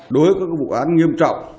đối với các vụ án nghiêm trọng